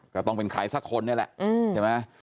ก็ต้องเป็นใครสักคนเนี่ยแหละ